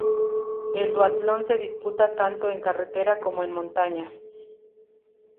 El duatlón se disputa tanto en carretera como en montaña.